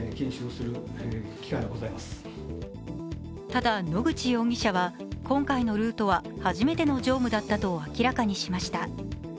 ただ、野口容疑者は、今回のルートは初めての乗務だったと明らかにしました。